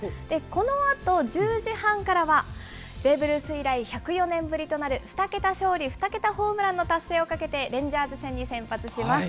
このあと１０時半からは、ベーブ・ルース以来、１０４年ぶりとなる２桁勝利２桁ホームランの達成をかけて、レンジャース戦に先発します。